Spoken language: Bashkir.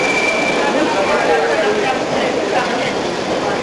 Ну и дуры вы, бисәләр.